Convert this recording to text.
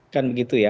kan begitu ya